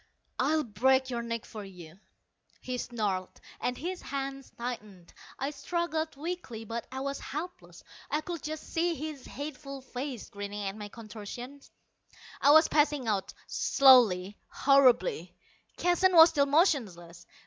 "I'll break your neck for you," he snarled, and his hands tightened. I struggled weakly, but I was helpless. I could just see his hateful face grinning at my contortions. I was passing out slowly, horribly. Keston was still motionless.